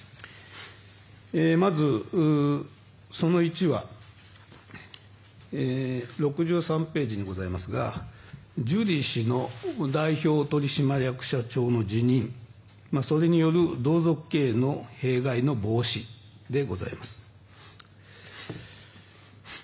まず、その１は６３ページにございますがジュリー氏の代表取締役社長に辞任それによる同族経営の弊害の防止でございます。